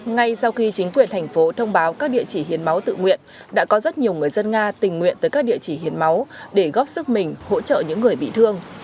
ngay sau khi chính quyền thành phố thông báo các địa chỉ hiến máu tự nguyện đã có rất nhiều người dân nga tình nguyện tới các địa chỉ hiến máu để góp sức mình hỗ trợ những người bị thương